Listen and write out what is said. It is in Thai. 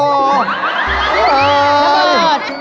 น้าเบิร์ด